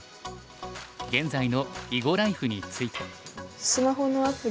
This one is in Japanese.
現在の囲碁ライフについて。